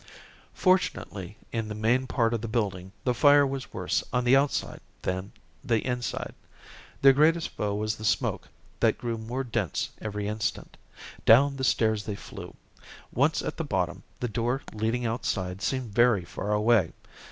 Fortunately, in the main part of the building, the fire was worse on the outside than the inside. Their greatest foe was the smoke that grew more dense every instant. Down the stairs they flew. Once at the bottom, the door leading outside seemed very far away.